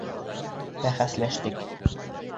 Бәхәсләштек.